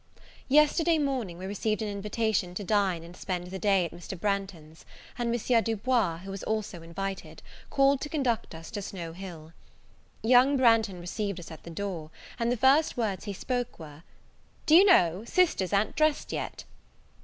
YESTERDAY morning we received an invitation to dine and spend the day at Mr. Branghton's; and M. Du Bois, who was also invited, called to conduct us to Snow Hill. Young Branghton received us at the door; and the first words he spoke were, "Do you know, sisters a'n't dressed yet."